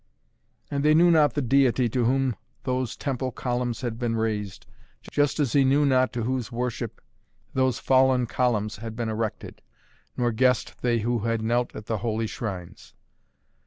And they knew not the deity to whom those temple columns had been raised, just as he knew not to whose worship those fallen columns had been erected, nor guessed they who had knelt at the holy shrines.